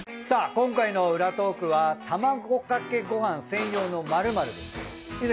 今回の裏トークは卵かけごはん専用の○○です。